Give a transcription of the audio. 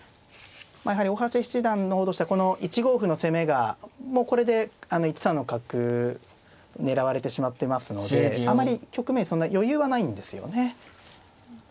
やはり大橋七段の方としてはこの１五歩の攻めがもうこれで１三の角狙われてしまってますのであまり局面そんな余裕はないんですよね。